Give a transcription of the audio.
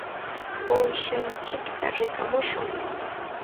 Uushanchikta rikamushun.